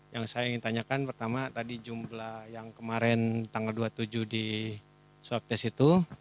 yang saya ingin tanyakan pertama tadi jumlah yang kemarin tanggal dua puluh tujuh di swab test itu